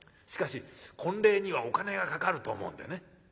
しかし婚礼にはお金がかかると思うんでね。